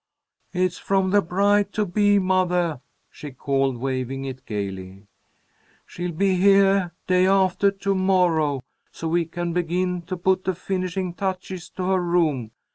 "It's from the bride to be, mothah," she called, waving it gaily. "She'll be heah day aftah to morrow, so we can begin to put the finishing touches to her room.